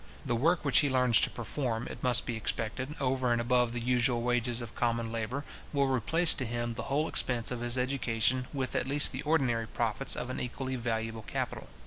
The work which he learns to perform, it must be expected, over and above the usual wages of common labour, will replace to him the whole expense of his education, with at least the ordinary profits of an equally valuable capital.